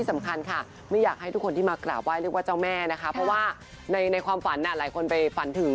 ไม่อยากให้ทุกคนที่มากราบไว้เรียกว่าเจ้าแม่เพราะในความฝันหลายคนไปฝันถึง